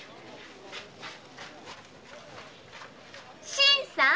新さん！